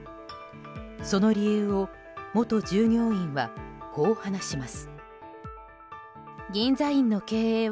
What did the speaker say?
その理由を元従業員はこう話します。